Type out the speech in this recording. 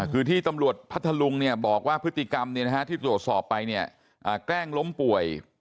คือที่ตำรวจพัทธลุงบอกว่าพฤติกรรมที่ตรวจสอบไปเนี่ยแกล้งล้มป่วย